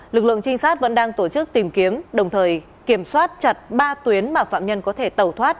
lực lượng trinh sát vẫn đang tổ chức tìm kiếm đồng thời kiểm soát chặt ba tuyến mà phạm nhân có thể tẩu thoát